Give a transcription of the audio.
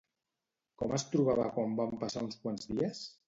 Com es trobava quan van passar uns quants dies?